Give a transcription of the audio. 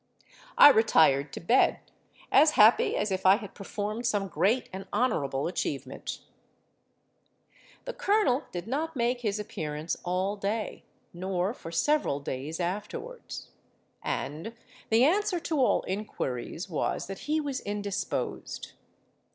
I retired to bed, as happy as if I had performed some great and honourable achievement. "The colonel did not make his appearance all day—nor for several days afterwards; and the answer to all inquiries was that he was indisposed.